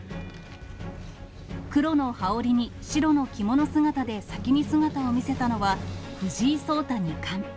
黒の羽織に白の着物姿で先に姿を見せたのは藤井聡太二冠。